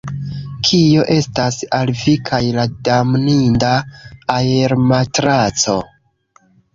Kio estas al vi kaj la damninda aermatraco?